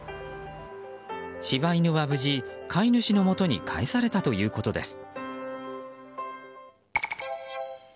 柴犬は無事、飼い主のもとに返されたということです。